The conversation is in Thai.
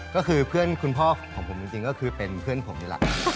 ก็คือเพื่อนคุณพ่อของผมจริงก็คือเป็นเพื่อนผมนี่แหละ